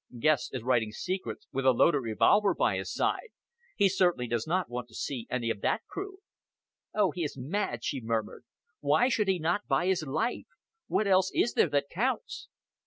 Guest is writing secrets with a loaded revolver by his side. He certainly does not want to see any of that crew." "Oh! he is mad," she murmured. "Why should he not buy his life? What else is there that counts?"